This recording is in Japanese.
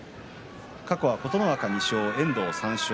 過去は琴ノ若２勝、遠藤３勝。